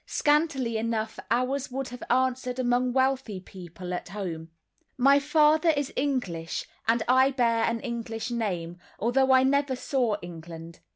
Scantily enough ours would have answered among wealthy people at home. My father is English, and I bear an English name, although I never saw England.